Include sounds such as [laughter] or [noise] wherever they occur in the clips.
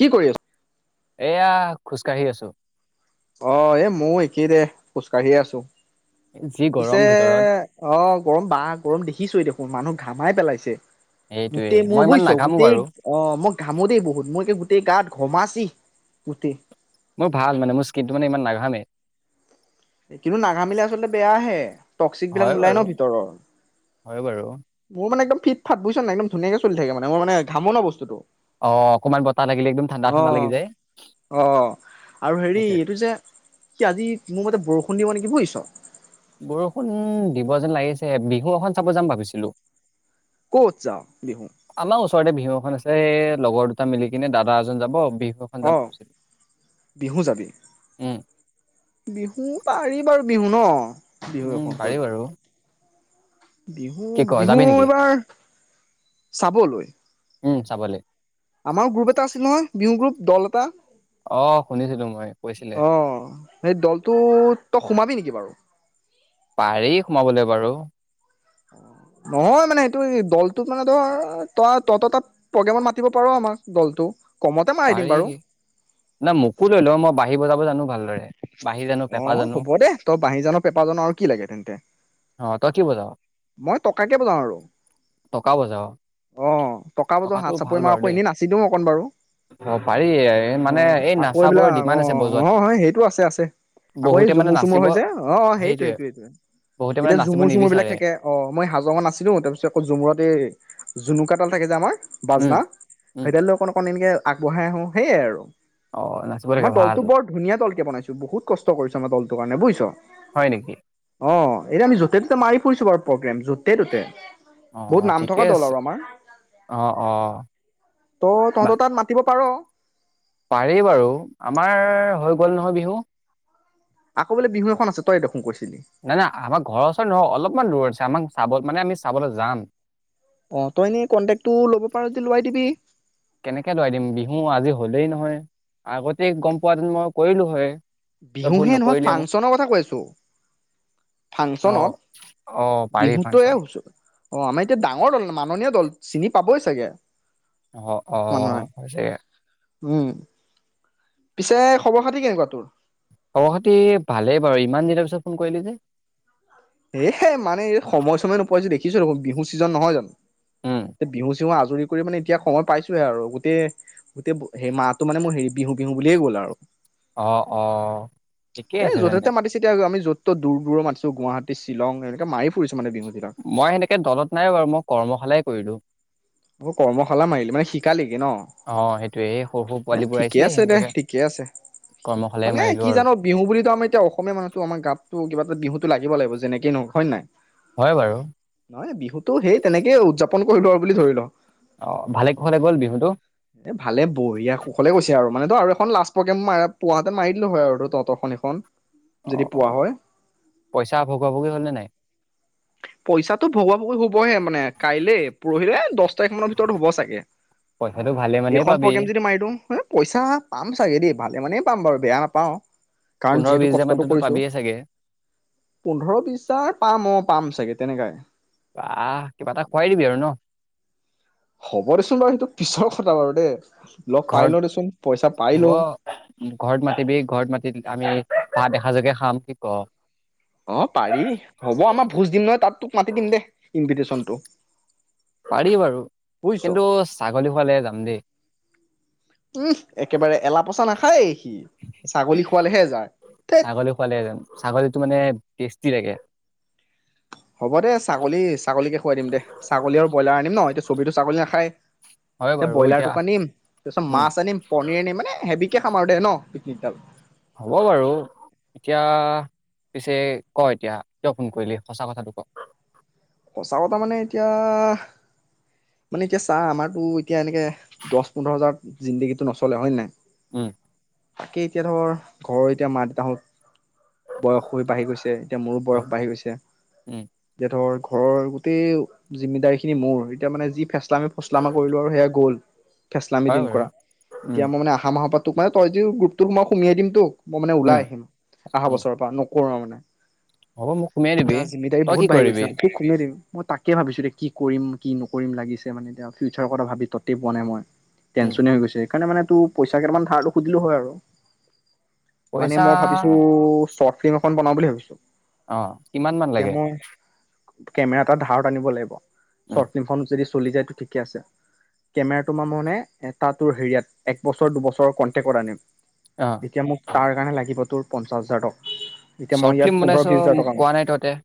কি কৰি আছ এয়া, খোজকাাঢ়ি আছো। অ', এ ময়ো একেই দে খোজ কাঢ়িয়ে আছো। যি পিছে, গৰম ভিতৰত অঁ গৰম বা গৰম দেখি কি চই দেখোন মানুহ ঘামাই পেলাইছে। সেইটোৱে গোটেই মই মোৰ ইমান বুইছ, নাঘামো গোটেই বাৰু অঁ মই ঘামো দেই বহুত মই এতিয়া তে গাত ঘমাচি গোটেই। মোৰ ভাল মানে মোৰ স্কিনটো মানে ইমান নাঘামে। কিন্তু নাঘামিলে আচলতে বেয়াহে। টক্সিক বিলাক হয় নোলাই বাৰু ন ভিতৰৰ, হয় বাৰু মোৰ মানে একদম ফিট ফ বুছ ন একম ধুনীয়ৈ চল থাকে মান মোৰ মান ঘামনা ব্তুটো অ অকমান বতাহ লাগিলে একদম ঠাণ্ডা ঠাণ্ডা লাগি অ' যায় অ' আৰু হেৰি সেইটোৱে এইটো যে কি আজি মোৰ মতে বৰষুণ দিব নেকি বুজিছ? বৰষুণ দিব যেন লাগিছে বিহুখন চাব যাম ভাবিছিলো। ক'ত যাওঁ বিহু? আমাৰ ওচৰতে বিহু এখন আছে এই লগৰ দুটা মিলি কিনে দাদা এজন যাব। বিহু এখন যাম অ' ভাবিছিলো বিহু যাবি উম বিহু পাৰি বাৰু বিহু ন? বিহু উম এখন কৰিব পাৰি বাৰু। বিহু কি ক বিহু যাবি নেকি এইবাৰ চাবলৈ উম চাবলৈ? আমাৰ গ্ৰুপ এটা আছিল নহয় বিহু গ্ৰুপ দল এটা? অ শুনিছিলো মই কৈছিলে অ' সেই দলটো তই সোমাবি নেকি? কি বাৰু? পাৰি সোমাবলৈ বাৰু। নহয় মানে এইটো দলটোক মানে ধৰ তই তত তাত প্ৰগ্ৰেমত মাতিব পাৰ আমাক দলটো। কমতে মাৰি দিম পাৰি বাৰু না মোকো লৈ ল মই বাঢ়ি বজাব জানো। ভালদৰে বাঁহী জানো পেঁপা অহ জানো হ'ব দে, তই বাহী জান', পেপা জান', আৰু কি লাগে তেন্তে। অ তই কি বজাৱ মই টকাকে বজাও আৰু, টকা বজাৱ অ', টকা বজাও, টকাটো হাত ভাল চাপৰি মাৰো বাৰু আকৌ দেই এনেই নাচি দিওঁ অকণ বাৰু। অ', পাৰি, অ মানে এই আকৌ নাচাবোৰৰ এইবিলাক অ ডিমাণ্ড আছে বজোৱাত অ', হয় সেইটো আছে আছে। আকৌ এই বহুতে মানে ঝমুৰ চুমুৰ নাচিব হয় যে, অ', অ', সেইটো সেইটোৱে সেইটো সেইটো, বহুতে মানে এতিয়া নাচিব ঝমুৰ চুমুৰ বিলাক নিবিচাৰে থাকে অ', মই হাজঙত নাছিলো তাৰপিছত আকৌ ঝমুৰত এই জুনুকা তাল থাকে যা আমাৰ উম বাজনা, উম সেইদাল লৈ অকণ অকন এনেকে আগবঢ়াই আহোঁ, সেয়াই আৰু। অ', নাচিব আমাৰ লাগে ভাল। দলটো বৰ ধুনীয়া তলকে বনাইছো, বহুত কষ্ট কৰিছো আমাৰ দলটো কাৰণে বুইছ'। হয় নেকি? অ', এতিয়া আমি য'তে ত'তে মাৰি ফুৰিছো বাৰু প্ৰগ্ৰেম, য'তে ততে অ বহুত নাম ঠিকে থকা দল আছে আৰু আমাৰ। অ অ ত', বা তহঁতৰ তাত মাতিব পাৰ'। পাৰি বাৰু, আমাৰ হৈ গল নহয় বিহু আকৌ বোলে বিহু এখন আছে, তইয়ে দেখোন কৈছিলি নাই নাই, আমাৰ ঘৰৰ ওচৰত নহয়, অলপমান দূৰ আছে আমাক চাব মানে, আমি চাবলৈ যাম। অ তই এনেই কণ্টেকটো ল'ব পাৰ যদি লোৱাই দিবি। কেনেকে লৰাই দিম বিহু আজি হ'লেই নহয়, আগতে গম পোৱা দন মই কৰিলো হয় তই ফোন বিহুহে নহয় নকৰিলে মোক ফাংচনৰ কথা কৈছো, অ ফাংচনত অ পাৰি বিহুতে ফাংচনত অ আমাৰ এতিয়া ডাঙৰ দল মাননীয় দল চিনি পাবই চাগে অ অ মানুহে উম পিছে খবৰ খাতি কেনেকুৱা তোৰ খবৰ খাটি ভালেই বাৰু ইমান দিনৰ পিছত ফোন কৰিলি যে এহে মানে সময় সময়ে নোপাইছো দেখিছো ৰ বিহু ছিজন নহয় জানো উম তে বিহু আজৰি কৰি মানে এতিয়া সময় পাইছোহে আৰু, গোটেই গোটেইেই মাহটো মানে মোৰ হেৰি বিহু বিহু বুলিয়ে গ'ল আৰু অ অ ঠিকেই এই আছে য'তে তেন্তে ত'তে মাতিছে এতিয়া আমি য'ত দূৰ দূৰৰত ম আছ গুৱাহী চিলং এনেকে মাৰি ফুৰিছে মই সেনেকে দলত নাই বাৰু মই কৰ্মশালাই কৰিলো ম কৰ্মশালা মাৰিলো মানে শিকালেই ন? অ সেইটোৱে এই সৰু সৰু এ পোৱালিবোৰ ঠিকে আহিছিলে আছে দে, সিহঁতকে ঠিকে আছে কৰ্মশালাই মানে মাৰিলো কি আৰু জানো বিহু বুঢলিতো আমাৰ এতিয়া অসমীয়া মানুহটো আমাৰ গাততো কিবা এটা বিহুত ত লাগিব লাগিব যেনেকে নহয় হয় নে নাই হয় বাৰু নহয় বিহুতটো সেই তেনেকে উদযাপন কৰিলো আৰু বুলি ধৰি ল অ ভালে কুশলে গ'ল বিহুটো এ ভালে বঢ়িয়া কুশলে কৈছে আৰু মানে তো আৰু এখন লাষ্ট প্ৰগ্ৰেম ম পুৱাতে মাৰি দিলো হয় আৰু তহতৰখন এইখন অ পইচা ভগোৱা ভগোই হলনে নাই পইচাটো ভগৱা সৰু হবই মানে কাইলে পৰহিলে দহ তাৰিখ মানৰ ভিতৰতো হবই চাগে, পইচাটো ভালে মানেই এখন পাবি প্ৰগ্ৰেম যদি মাৰি দো হ পইচা পাম চাগে দেই ভালে মানে পাম বাৰু বেয়া নাপাওঁ কাৰণ পোন্ধৰ যিহেতু বিশ হাজাৰ কষ্টতটো মানতো কৰিছো, পাবিয়ে চাগে পোন্ধৰ বি হাৰ পাম অ পাম চাগে তেনেকাই আহ কিবা এটা খুৱাই দিবি আৰু ন হ'ব দেচোন বাৰু সেইটো পিছৰ কথা বাৰু দেই লগ পাই লওঁ দেচোন পইচা পাই ঘৰত হ'ব লওঁ। ঘৰত মাতিবি ঘৰত মাতি আমি ভাত এহাজকে খাম কি ক অ পাৰি হ'ব আমাৰ ভোজ দিম নহয় তাত তোক মাতি দিম দে ইনভিটেশনটো পাৰি বাৰু কিন্তু ছাগলী খোৱালেহে যাম দেই। হেই কি ছাগলী খোৱালেহে যায় ধেৎ ছাগলী খোৱালে যাম ছাগলীটো মানে টেষ্টি লাগে হ'ব দে ছাগলী ছাগলীকে খুৱাই দিম দে ছাগলী আৰু ব্ৰইলাৰ আনিম ন এতিয়া চবেইটো ছাগলী নাখায় হয় এতিয়া বাৰু এতিয়া ব্ৰইলাৰটোকে আনিম তাৰপিছত উম মাছ আনিম পনীৰ আনিম মানে হেভী কে খাম আৰু দে ন পিকনিক ডাল হ'ব বাৰু এতিয়া পিছে ক এতিয়া কিয় ফোন কৰিলি সঁচা কথাটো ক চাও তাৰ মানে এতিয়া মানে এতিয়া চাহ আমাৰতো এতিয়া এনেকে দহ পোন্ধৰ হাজাৰ জিন্দগীটো নচলে হয়নে নাই উম তাকে এতিয়া ধৰ ঘৰৰ এতিয়া মা দেউতাহঁত বয়স হৈ বাঢ়ি গৈছে এতিয়া মোৰো উম বয়স বাঢ়ি গৈছে উম এতিয়া ধৰ ঘৰৰ গোটেই জিমিদাৰী খিনি মোৰ এতিয়া মানে যি ফেচলা আমি ফচলা আমাৰ কৰিলো আৰু সেয়া গ'ল ফেচলামি হয় দিন বাৰু কৰা উম এতিয়া মই মানে অহা মাহৰ পৰা তোক মানে তই যি গ্ৰুপটোক মই সুমিয়াই দিম তোক মই মানে উম ওলাই আহিম অহা উম বছৰৰ পৰা পোৰা মানে হ'ব মোক সুমুৱাই দিবি তই কি কৰিবি খোমাই দিম মই তাকে ভাবিছো কি কৰিম কি নকৰিম লাগিছে মানে এতিয়া ফিউচাৰৰ কথা ভাবি ততেই পোৱা নাই মই উম টেনচনে হৈ গৈছে সেইকাৰণে মানে তোৰ পইচা কেইটামান ধাৰটো সুধিলোঁ হয় আৰু মানে পইচা মই ভাবিছো চ ফিল্ম এখন বনাওঁ বুলি ভাবিছো অ কিমান মান এতিয়া লাগে মই কেমেৰা এটা ধাৰত আনিব লাগিব উম চৰ্ট ফিল্মখন যদি চলি যায়তো ঠিকে আছে কেমেৰা তো মাৰ মই মানে ত ত হেৰিয়াত এক বছৰ দুবছৰৰ কনটেক্টত আনিম অ এতিয়া মোক তাৰ কাৰণে লাগিব তোৰ পঞ্চাশ হাজাৰ টকা এতিয়া মই চৰ্ট ইয়াত ফিল্ম পোন্ধৰ বনাইছ বিশ হাজাৰ মোক টকা কোৱা নাই তহঁতে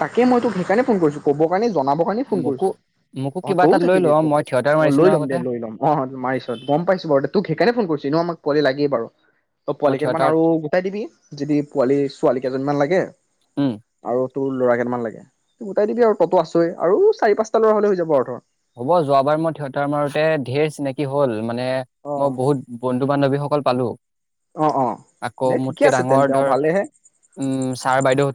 তাকে মইতো সেইকাৰণে ফোন কৰিছো ক'ব কাৰণে জনাব কাৰণ ফোন মোকো কৰিছো মোকো অ কিবা তইও এটাত লৈ ল থাকিবি মই তোক থিয়েটাৰ অ মাৰিছো ন লৈ ল'ম দে আগতে লৈ ল' অ মাৰিছ গম পাইছো বাৰু দে তোক সেইকাৰণে ফোন কৰিছ এনেও আমাক পোৱালি লাগেই বাৰু ত মই পোৱালি কেইটামান থিয়েটাৰত আৰু গোটাই দিবি যদি পোৱালি ছোৱালী কেইজনীমান লাগে উম আৰু তোৰ ল'ৰা কেইটামান লাগে গোটাই দিবি আৰু ততো আছইে আৰু চি পাঁচটা ল'ৰা হ'লে হৈ যাব আৰু ধৰ হ'ব যোৱাবাৰ মই থিয়টাৰ মাৰোতে ধেৰ চিনাকি হল মানে অ মই বহুত বন্ধু বান্ধৱী হ অকল পালো অ অ আকৌ দে ঠিকে মোতকে আছে ডাঙৰ তেন্তে অ ধৰ ভালেহে উম ছাৰ বাইদেউ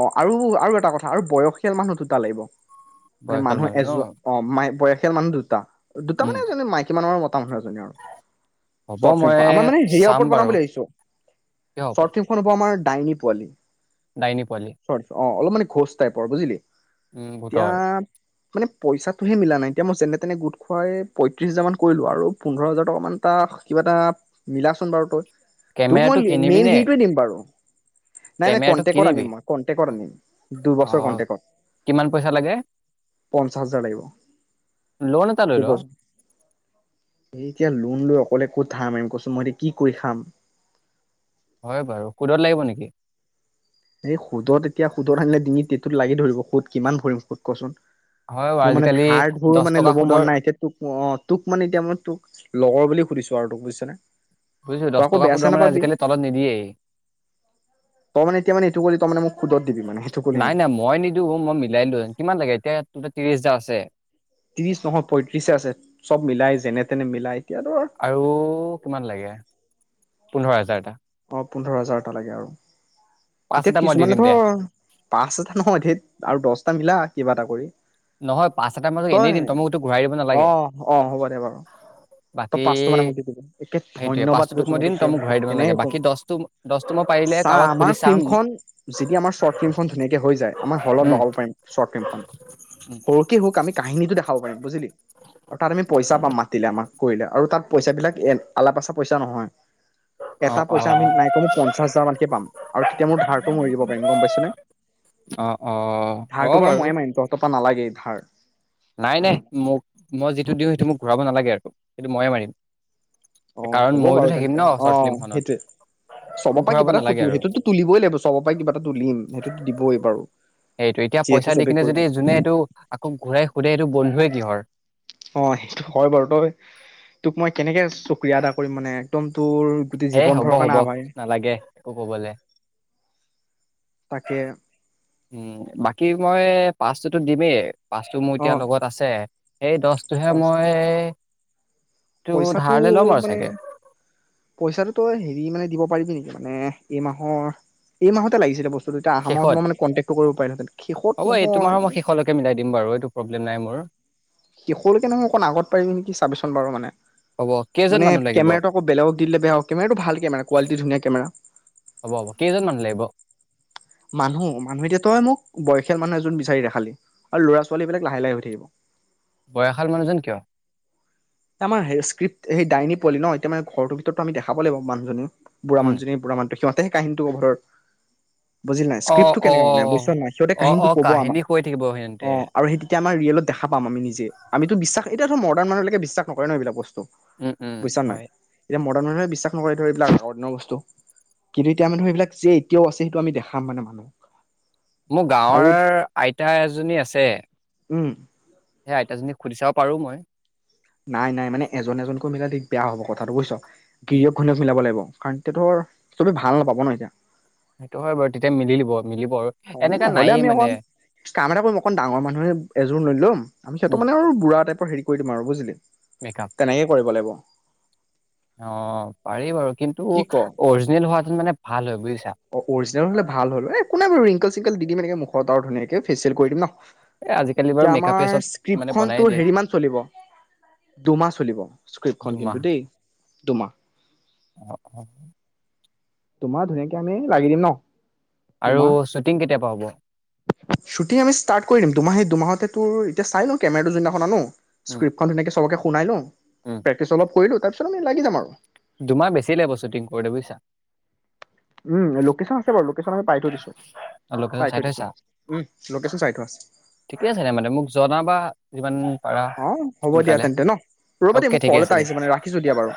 অ আৰু আৰু এটা কথা আৰু বয়সীয়াল মানুহ দুটা লাগিব মানে বয়সীয়াল মানুহ এজ ন অ ম বয়সাল মানুহ দুটা দুটা উম মানে এজননে মাইকী মানুহৰ মত ৰ্ ফিল্ম আমাৰ মানে হ'ব মই হেৰিয়াৰ চাম ওপৰত বনাম বাৰু বুলি ভিছো কিয় চৰ্ট ফিল্মখন হ'ব আমাৰ ডাইনি পোৱলি ডাইনি চ অ অলপ মান ঘোজটাইৰ বুজিলি উম এতিয়া ভূতৰ মানে পইচাটোহে মিলা নাই এতিয়া মই যেনে তেনে গোট খোৱাই পয়ত্ৰিশ হাজাৰ মান কৰিলো আৰু পোন্ধৰ হাজাৰ টকা মান তটা কিবা এটা মিলাচোন বাৰু তই তোক মই কেমেৰাটো কিনিবি মেইন নে হেৰিটোোৱে দিম বাৰু নাই নাই কেমেৰাটো কন্টেক্টত কিনিবি আনিম মই অ পঞ্চাশ কিমান পইচা লাগে হাজাৰ লে লোন এটা লৈ ল ক'ত ধাম আম কচোন মই এতিয়া কি কৰি খাম হয় বাৰু কুদত লাগিব নেকি এই সুদত এতিয়া সুদত আনিলে ডিঙি টটোত লাগি ধৰিব সুদ কিমান ভৰিম সুত কচোন হয় বাৰু মোৰ মানে আজিকালি ধাৰ ধোৰ দহ মানে টকা ল'ব সুদৰ মন নাই এতিয়া তোক অ তোক মানে এতিয়া মই তোক লগৰ বুলি সুধিছো আৰু তোক বুজিছে বুজিছো দহ টকা সুধৰ মানে আজিকালি তলত নিদিয়েই তই মানে এতিয়া মানে এইটো কৰিলি তই মানে মোক সুদত দিবি মানে সেইটো কৰিলি নাই নেকি নাই মই নিদিো মই মিলাই লো কিমান লাগে এতিয়া ত্ৰিশ হাজাৰ আছে ত্ৰিশ নহয় পয়ত্ৰিশে আছে চব মিলাই যেনে তেনে মিলাই এতিয়া ধৰ আৰু কিমান লাগে পোন্ধৰ হাজাৰটা অঁ পোন্ধৰ হাজাৰটা লাগে আৰু পাঁচ এতিয়া এটা মই দি কিছুমানে দিম দে ধৰ পাঁচ এটা নহয় ত আৰু দহটা মিলা কিবা এটা কৰি নহয় পাঁচ এটাৰ মাজত এনেই তই দিম তমোকতো ঘূৰাই দিব অ নালাগে অ হ'ব দে বাৰু তই বাকী পাঁচটো মানে মোক দি দিবি একে সেইটয়ে পাঁচ ধন্যবাদ তোক কৈছো মই দিম তম ঘূৰাই দিব নালাগে কেনেকে কম বাকী দহটো দহটো মই পাৰিলে চা কাৰোবাক খু আমাৰ ফিল্মখন যেতিয়া আমাৰ শৰ্ট ফিল্মখন ধুনীয়াকে হৈ যায় আমাৰ হলত উম লগাব পাৰিম শৰ্ট ফিল্মখন উম। সৰুকে হওক আমি কাহিনীটো দেখাব পাৰিম বুজিলি আৰু তাত আমি পইচা পাম মাতিলে আমাক কৰিলে আৰু তাত পইচা বিলাক এ আলা পাচা পইচা নহয় অ এটা অ পইচা আমি নাই ক ম পঞ্চাশ হাজাৰ মানকে পাম তেতিয়া মোৰ ধাৰটো মৰি দিব পাৰিম গম পাইছে ন অ অ হ'ব ধাৰটো বাৰ বাৰু মইয়ে মাৰিম তহত া নালাগে ধাৰ নাই নাই মোক মই যিটো দিওঁ সেইটো মোক ঘূৰাব নালাগে আৰু সেইটো ময়ে মাৰিম অ কাৰণ হ'ব ময়োতো বাৰু থাকিম ন [inaudible] অ চৰ্ট ফিল্মখনত সেইটোৱে মোক চবৰ পৰা ঘূৰাব কিবা এটা নালাগে আৰু সেইটোতো তুলিবই লাগিব চবৰ পৰাই কিবা এটা তুলিম সেইটোতো দিবই বাৰু সেইটো এতিয়া যিহেতু পইচা দি চবেই কিনে কৰিব যদি যোনে সেইটো আকৌ ঘূৰাই সুধাই এইটো বন্ধ কিহৰ অ সেইটো হয় বাৰু তই তোক মই কেনেকে আ প্ৰক্ৰিয়া এটা কৰি মানে একদম তোৰ গোটেই এ জীৱন হব ভৰৰ হ'ব কাৰণে আভাৰ নালাগে একো কবলে তাকে [unintelligible] বাকী মই পাঁচটোটো দিমেই পাছটো মোৰ অ এতিয়া লগত আছে এই দছটোহে পাঁচ মই টো পইচাটো ধাৰলে ল'ম আৰু মানে চাগে পইচাটো তো হেৰি মানে দিব পাৰিবি নেকি মানে এই মাহৰ এই মাহতে লাগিছিলে বস্তু শেষত শেষত হ'ব এই নহয় তোমাৰ মই শেষলৈকে মিলাই দিম বাৰু এইটো প্ৰব্লেম নাই মোৰ শেষলৈকে নহয় অকণ আগত পাৰিবি নেকি ছবিচোন বাৰু মানে হ'ব কেইজন মানে মানুহ লাগিব কেমেৰাটো আকৌ বেলেগক দি দিলে বেয়া হ কেমেৰাটো ভাল কেমেৰা কোৱালিটি ধুনীয়া কেমেৰা হ'ব হ'ব কেইজন মানুহ লাগিব [unintelligible] মানুহ মানুহ এতিয়া তই মোক বয়সীয়াল মানুহ এজন বিচাৰি দে খালি আৰু ল'ৰা ছোৱালী বিলাক লাহে লাহে হৈ থাকিব বয়সাল মানুহজন কিয় আমাৰ স্কিপ্ট সেই ডাইনী পোৱালি ন এতিয়া মানে ঘৰটোৰ ভিতৰতো আমি দেখাব লাগিব মানুহজনী বুঢ়া উম মানুহজনী বুঢ়ামানুহটো সিমান সেই কাহিনীটো [inaudible] বুজিল নাই অ স্ক্ৰীপটো অ কেনেকা মানে বুইছ নে নাই সিহতে অ অ কাহিনীটো ক'ব আমাৰ কাহিনী কৈ থাকিব সিহঁতে অ আৰু সেই তেতিয়া আমাৰ ৰীয়েলত দেখা পাম আমি নিজে আমিতো বিশ্বাস এতিয়াটো মডাৰ্ণ মানুহ লেকে বিশ্বাস নকৰে ন এইবোৰ বস্তু উম উম বুজিছা নাই। হয় এতিয়া মানুহে বিশ্বাস নকৰে ধৰিবিলা ধৰনৰ বস্তু কিন্তু এতিয়া ম [inaudible] ধ এইবাক যে এয়াও আছে সেইটোমি দেখা খাম মানে মানুহক মোৰ আৰু গাঁৱৰ আইতা এজনী আছে উম সেইয়া আইতাজনীক সুধি চাব পাৰো মই নাই নাই মানে এজন এজনকৈ মিলাই দিগদাৰ কথাটো উম, বুজছ [unintelligible] মিলাব লাগিব কাৰণ এতিয়া ধৰ চবে ভাল নাপাব ন এতিয়া সেইটো হয় বাৰু তেতিয়া মিলি লিব অ নহলে আমি অকণ কাম এটা কৰিম অকণ ডাঙৰ মানুহে এযোৰ লৈ লম সিহতক উম মানে আৰু বুঢ়া এটা হেৰি কৰি দিম আৰু বুিলি মেকআপ তেনেকে কৰিব লাগিব অ পাৰি বাৰু কিন্তু কি ক অ অৰিজিনেল হোৱাহেতেন মানে ভাল হয় বুজিছা অৰিজিনেল হলে ভাল হ'ল এ একো নাই বাৰু ৰিংকল চিংকল দি দিম ম এনেকে খত আৰু ধুনীয়াকৈেচিয়েল কৰি দি ন এ আজিকালি বাৰু এতিয়া আমাৰ মেকআপে চব স্ক্ৰিপ্ট মানে খ বনাই তটো দিয়ে হেৰি মমান চলিব দুমাহ চলিব স্ক্ৰিপ্টখনন কিন্তু দুমাহ দেই দুমাহ অ অ তোমাৰ ধুনীয়াকে আমি লাগি দিম ন আৰু শ্বুটিং কেতিয়াপা হ'ব াহ শ্বুটিং আমি ষ্টাৰ্ট কৰি দিম দুমাহ দুমাহত ত তোৰ এতিয়া চাই ন কেমেৰাটো যদিনাখন আনো উম স্্ৰিপ্খন ধুনে চবকে শুনাই লওঁ উম প্ৰেক্টিচ অলপ কৰিলো তাৰপিছতমি লাগি যাম আৰু দুমাহ বেছি লাগিব শ্বুটিং কৰোঁতে বুজিছা উম লোকেশচন আছে বাৰু লোকেশচন আমি পাই থৈ দিছো লোকেশ্যন চাই থৈ দিছো থৈছা উম লোকেশচন চাই থ আছে ঠিকে আছে দে মানে মোক জনাবা যিমান পাৰা অ হ'ব দিয়া সোনকালে তেন্তে ন ৰবা দিয় অ'কে মোক কল এটা আহিছে মানে ৰাখিছো দিয়া বাৰু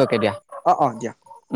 ত দিয়া অ অ দিয়া উ